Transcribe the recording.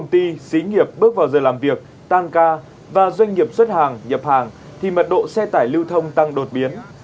nếu doanh nghiệp bước vào giờ làm việc tăng ca và doanh nghiệp xuất hàng nhập hàng thì mật độ xe tải lưu thông tăng đột biến